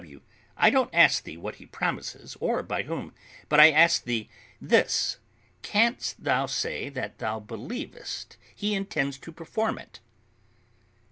W. I don't ask thee what he promises, or by whom; but I ask thee this: Canst thou say that thou believest he intends to perform it?